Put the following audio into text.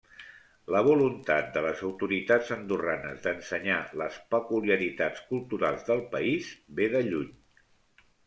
La voluntat de les autoritats andorranes d'ensenyar les peculiaritats culturals del país ve de lluny.